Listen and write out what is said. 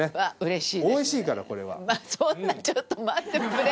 そんなちょっと待って。